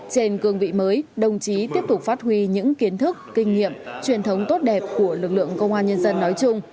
trên cương vị mới đồng chí tiếp tục phát huy những kiến thức kinh nghiệm truyền thống tốt đẹp của lực lượng công an nhân dân nói chung